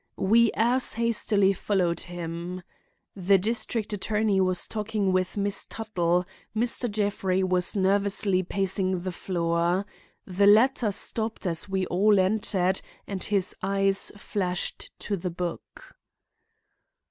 We as hastily followed him. The district attorney was talking with Miss Tuttle; Mr. Jeffrey was nervously pacing the floor. The latter stopped as we all entered and his eyes flashed to the book.